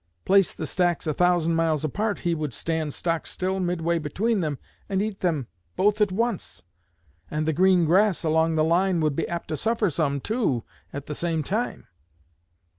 Place the stacks a thousand miles apart, he would stand stock still midway between them and eat them both at once; and the green grass along the line would be apt to suffer some, too, at the same time.